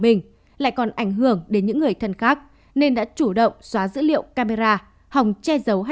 mình lại còn ảnh hưởng đến những người thân khác nên đã chủ động xóa dữ liệu camera hòng che giấu hành